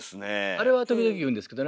あれは時々言うんですけどね